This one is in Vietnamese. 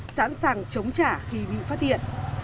sẵn sàng chống trả khi bị phát điện